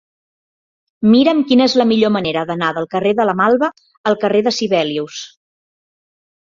Mira'm quina és la millor manera d'anar del carrer de la Malva al carrer de Sibelius.